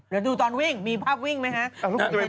เดี๋ยวดูตอนวิ่งมีภาพวิ่งไหมฮะ